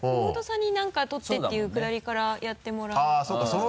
妹さんに「何か取って」っていうくだりからやってもらって。